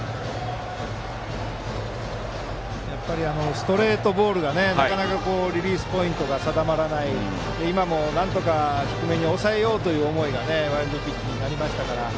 ストレートボールがなかなかリリースポイントが定まらず今のもなんとか低めに抑えようという思いがワイルドピッチになりましたから。